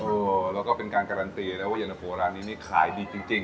โหแล้วก็เป็นการการันตีแล้วว่าเย็นเตอร์โฟร้านนี้มันขายดีจริง